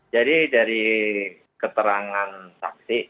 jadi dari keterangan saksi